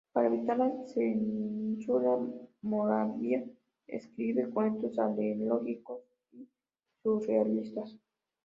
Para evitar la censura, Moravia escribe cuentos alegóricos y surrealistas.